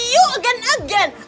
you again again